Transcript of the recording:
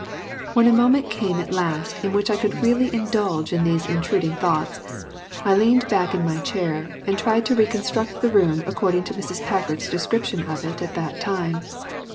When a moment came at last in which I could really indulge in these intruding thoughts, I leaned back in my chair and tried to reconstruct the room according to Mrs. Packard's description of it at that time.